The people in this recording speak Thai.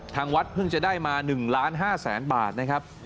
ทางวัดเพิ่งจะได้มา๑ล้าน๕แสนบาทนะครับ